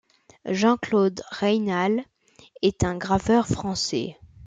Jean-Claude Reynal est un graveur français.